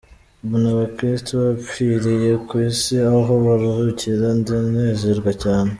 Mbona abakristo bapfiriye ku isi aho baruhukira, ndenezerwa cyane !!